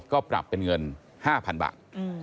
ก็ปรับเป็นเงิน๕๐๐๐บาท